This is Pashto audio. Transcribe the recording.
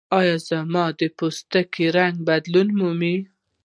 یا زما د پوستکي رنګ بدلون ومومي.